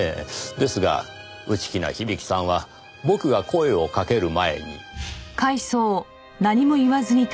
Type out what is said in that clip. ですが内気な響さんは僕が声をかける前に。